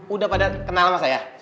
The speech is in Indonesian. udah pada kenal sama saya